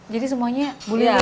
jadi semuanya bu lili